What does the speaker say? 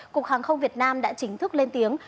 cục hàng không việt nam đã chính thức lên tiếng